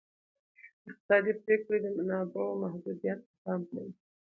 اقتصادي پریکړې د منابعو محدودیت ته پام کوي.